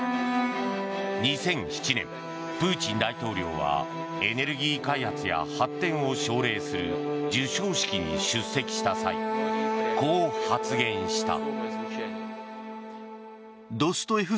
２００７年、プーチン大統領はエネルギー開発や発展を奨励する授賞式に出席した際こう発言した。